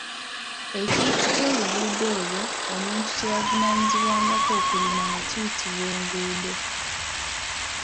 Ekintu ky'oluguudo olwo omuntu kye yavunaanyizibwangako okulima nga kiyitibwa enguudo.